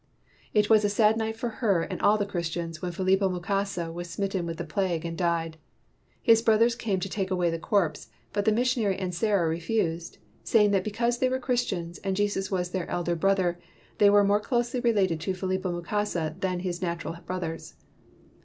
It was a sad night for her and all the Christians when Philipo Mukasa was smit ten with the plague and died. His brothers came to take away the corpse, but the mis sionary and Sarah refused, saying that be cause they were Christians and Jesus was their elder brother, they were more closely related to Philipo Mukasa than his natural brothers.